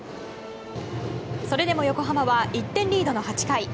それでも横浜は１点リードの８回。